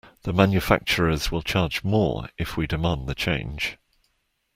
The manufacturers will charge more if we demand the change.